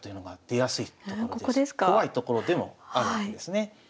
怖いところでもあるわけですね。